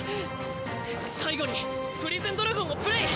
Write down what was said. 最後にプリズンドラゴンをプレイ！